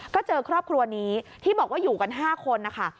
ก็เจอครอบครัวนี้ที่บอกว่าอยู่กัน๕คนนะคะ